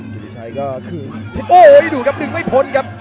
กิริชัยก็คืนโอ้โหดูครับ๑ไม่พ้นครับ